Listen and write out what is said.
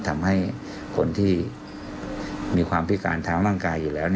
ทำให้คนที่มีความพิการทางร่างกายอยู่แล้ว